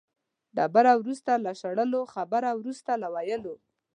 ډبره وروسته له شړلو، خبره وروسته له ویلو.